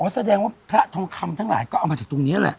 แสดงว่าพระทองคำทั้งหลายก็เอามาจากตรงนี้แหละ